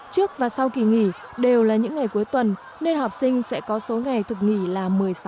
trước và sau kỳ nghỉ đều là những ngày cuối tuần nên học sinh sẽ có số ngày thực nghỉ là một mươi sáu